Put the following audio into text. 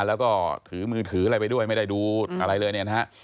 แล้วก็ถือมือถืออะไรไปด้วยไม่ได้ดูอะไรเลยเนี่ยนะฮะ